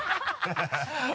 ハハハ